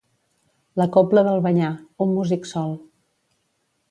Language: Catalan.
La cobla d'Albanyà: un músic sol.